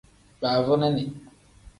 Baavunini.